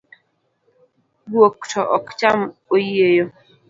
Guok to ok cham oyieyo.